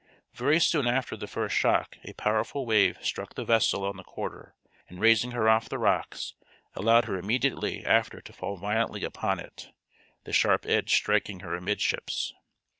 Very soon after the first shock a powerful wave struck the vessel on the quarter, and raising her off the rocks allowed her immediately after to fall violently upon it, the sharp edge striking her amidships.